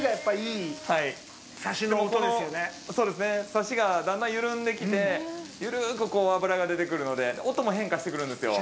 サシがだんだん緩んできて、ゆるーく脂が出てくるので、音も変化してくるんですよ。